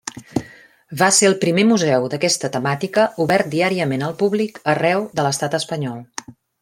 Va ser el primer museu d'aquesta temàtica obert diàriament al públic arreu de l'Estat Espanyol.